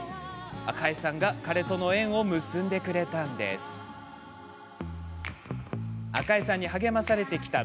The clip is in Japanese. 赤江さんが彼との縁を結んでくれました。